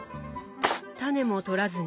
タネも取らずに？